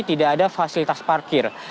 tidak ada fasilitas parkir